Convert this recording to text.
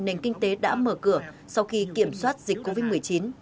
nền kinh tế đã mở cửa sau khi kiểm soát dịch covid một mươi chín